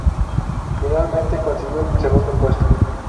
Finalmente, consiguió el segundo puesto.